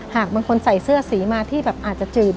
หากบางคนใส่เสื้อสีมาที่แบบอาจจะจืด